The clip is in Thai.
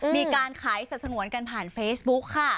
มีการขายสัตว์สงวนกันผ่านเฟซบุ๊กค่ะ